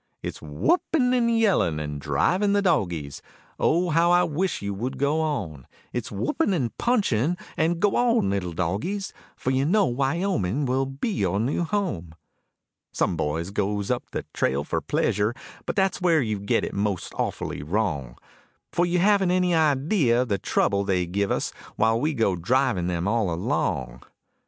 It's whooping and yelling and driving the dogies; Oh how I wish you would go on; It's whooping and punching and go on little dogies, For you know Wyoming will be your new home. Some boys goes up the trail for pleasure, But that's where you get it most awfully wrong; For you haven't any idea the trouble they give us While we go driving them all along.